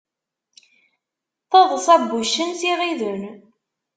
Taḍsa n wuccen s iɣiden.